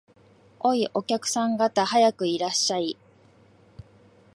おい、お客さん方、早くいらっしゃい